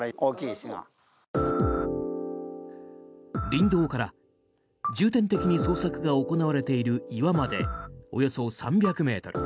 林道から重点的に捜索が行われている岩までおよそ３００ｍ。